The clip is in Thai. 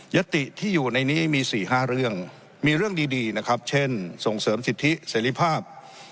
ติที่อยู่ในนี้มี๔๕เรื่องมีเรื่องดีนะครับเช่นส่งเสริมสิทธิเสรีภาพ